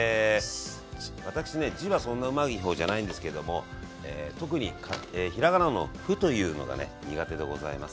私ね字はそんなうまい方じゃないんですけれども特にひらがなの「ふ」というのがね苦手でございます。